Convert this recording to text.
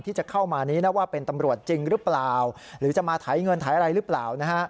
ที่จะเข้ามานี้นะว่าเป็นตำรวจจริงหรือเปล่าหรือจะมาไถเงินถ่ายอะไรหรือเปล่านะฮะ